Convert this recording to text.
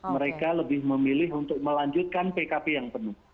mereka lebih memilih untuk melanjutkan pkp yang penuh